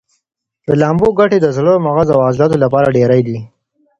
د لامبو ګټې د زړه، مغز او عضلاتو لپاره ډېرې دي.